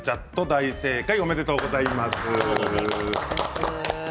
大正解でしたおめでとうございます。